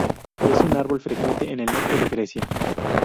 Es un árbol frecuente en el norte de Grecia.